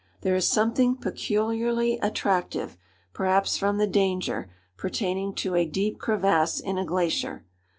There is something peculiarly attractive, perhaps from the danger, pertaining to a deep crevasse in a glacier.